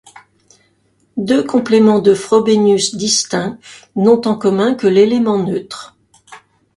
Deux compléments de Frobenius distincts n'ont en commun que l'élément neutre.